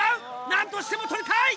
なんとしても取りたい！